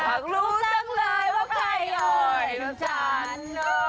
อยากรู้จังเลยว่าใครเอ่ยลูกฉัน